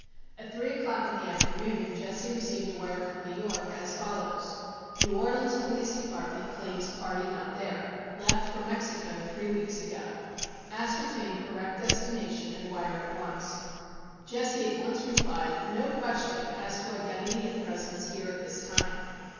At three o'clock in the afternoon Jesse received a wire from New York as follows: New Orleans police department claims party not there. Left for Mexico three weeks ago. Ascertain correct destination and wire at once. Jesse at once replied: No question as to identity and presence here at this time.